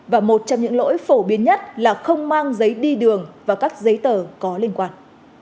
và một trong những lỗi phổ biến nhất là không mang giấy đi đường và các giấy tờ có liên quan